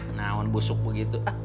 nah mau busuk begitu